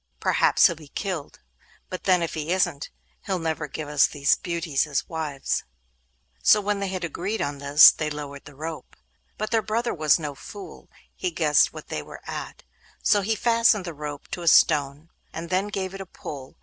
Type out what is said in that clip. Perhaps he'll be killed; but then if he isn't, he'll never give us these beauties as wives.' So when they had agreed on this, they lowered the rope. But their brother was no fool; he guessed what they were at, so he fastened the rope to a stone, and then gave it a pull.